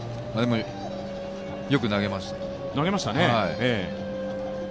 よく投げましたね。